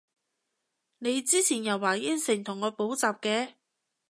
你之前又話應承同我補習嘅？